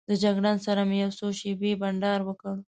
له جګړن سره مې یو څو شېبې بانډار وکړ.